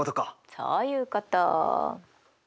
そういうこと！